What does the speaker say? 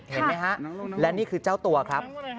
เห็นไหมฮะและนี่คือเจ้าตัวครับ